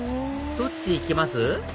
どっち行きます？